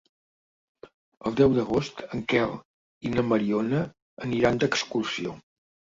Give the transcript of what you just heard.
El deu d'agost en Quel i na Mariona aniran d'excursió.